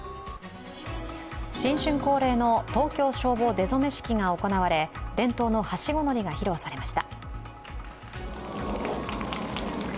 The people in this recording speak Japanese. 新春恒例の東京消防出初式が行われ伝統のはしご乗りが披露されました。